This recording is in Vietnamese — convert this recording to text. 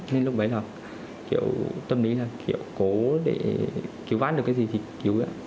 nên lúc đấy là kiểu tâm lý là kiểu cố để cứu ván được cái gì thì cứu